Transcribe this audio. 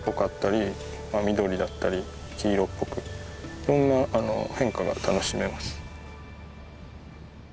いろんな変化が楽しめます。